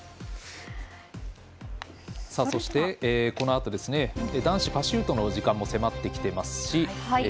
そして、このあと男子パシュートの時間も迫ってきています。